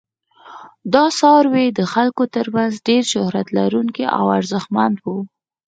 دا څاروي د خلکو تر منځ ډیر شهرت لرونکي او ارزښتمن وو.